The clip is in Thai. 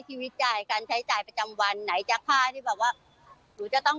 ชีวิตจ่ายการใช้จ่ายประจำวันไหนจากค่าที่แบบว่าหนูจะต้อง